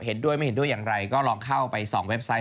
เห็นด้วยไม่เห็นด้วยอย่างไรก็ลองเข้าไปส่องเว็บไซต์